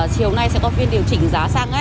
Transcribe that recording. chiều nay sẽ có phiên điều chỉnh giá xăng